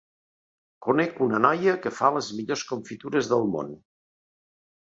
Conec una noia que fa les millors confitures del món.